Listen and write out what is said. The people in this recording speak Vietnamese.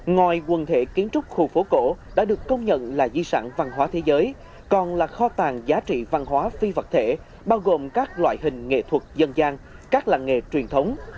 ngoài quần thể kiến trúc khu phố cổ đã được công nhận là di sản văn hóa thế giới còn là kho tàng giá trị văn hóa phi vật thể bao gồm các loại hình nghệ thuật dân gian các làng nghề truyền thống